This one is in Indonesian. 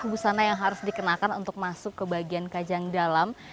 busana yang harus dikenakan untuk masuk ke bagian kajang dalam